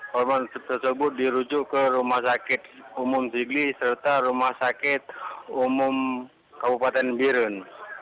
korban tersebut dirujuk ke rumah sakit umum sigli serta rumah sakit umum kabupaten biren